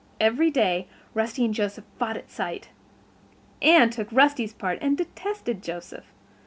Every day Rusty and Joseph fought at sight. Anne took Rusty's part and detested Joseph.